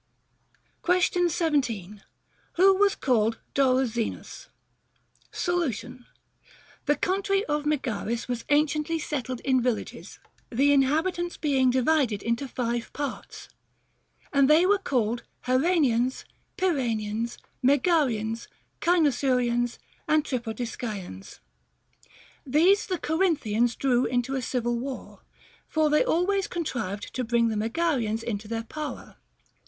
Question 17. Who was called δορνξενος? Solution. The country of Megaris was anciently settled in villages, the inhabitants being divided into five parts ; and they were called Heraenians, Piraenians, Megarians, Cynosurians, and Tripodiscaeans. These the Corinthians drew into a civil war, for they always contrived to bring the Megarians into their power.